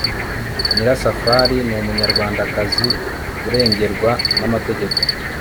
nyirasafari n'umunyarwandakazi urengerwa n'amategeko